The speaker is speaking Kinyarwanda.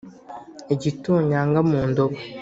igitonyanga mu ndobo.